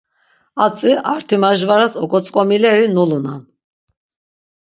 Atzi artimajvaras oǩotzǩomileri nulunan.